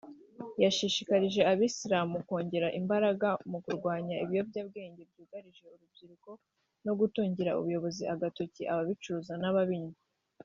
yashishikarije abayisilamu kongera imbaraga mu kurwanya ibiyobyabwenge byugarije urubyiruko no gutungira ubuyobozi agatoki ababicuruza n’ababinywa